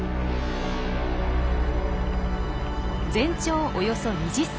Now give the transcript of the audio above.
全長およそ２０ｃｍ。